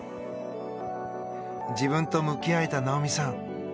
自分と向き合えた、なおみさん。